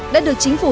đã được chính phủ